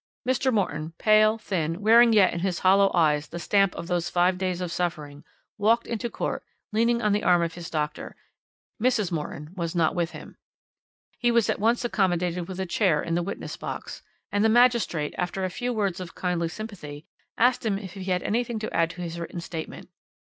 Mr. Morton, pale, thin, wearing yet in his hollow eyes the stamp of those five days of suffering, walked into court leaning on the arm of his doctor Mrs. Morton was not with him. "He was at once accommodated with a chair in the witness box, and the magistrate, after a few words of kindly sympathy, asked him if he had anything to add to his written statement.